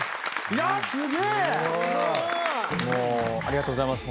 もうありがとうございます